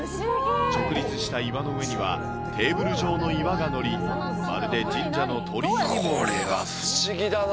直立した岩の上にはテーブル状の岩が載り、まるで神社の鳥居にもこれは不思議だな。